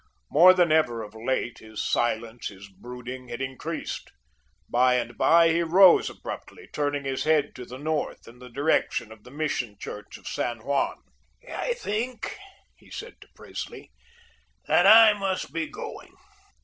More than ever of late, his silence, his brooding had increased. By and by he rose abruptly, turning his head to the north, in the direction of the Mission church of San Juan. "I think," he said to Presley, "that I must be going."